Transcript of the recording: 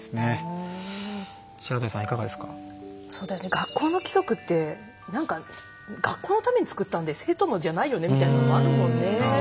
学校の規則ってなんか、学校のために作ったんで生徒のじゃないよねみたいなのもあるもんね。